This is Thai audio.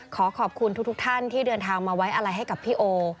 ขอขอบคุณทุกท่านที่เดินทางมาไว้อะไรให้กับพี่โอ